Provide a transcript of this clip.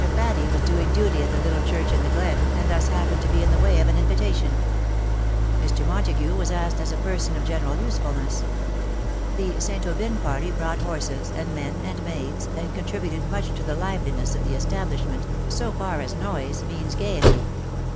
Faddie was doing duty at the little church in the glen, and thus happened to be in the way of an invitation. " TIME TURNS THE OLD DAYS TO DERISION/^ 149 Mr. Montagu was asked as a person of general usefulness. The St. Aubyn party brought horses, and men and maids^ and contributed much to the liveliness of the establishment, so far as noise means gaiety.